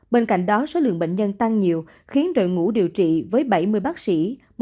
bên cạnh đó số lượng bệnh nhân tăng nhiều khiến đội ngũ điều trị với bảy mươi bác sĩ